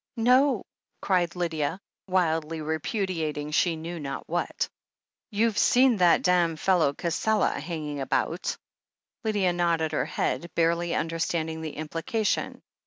"No !" cried Lydia, wildly repudiating she knew not what. "You've seen that dam' fellow Cassela hanging about?" Lydia nodded her head, barely imderstanding the implication.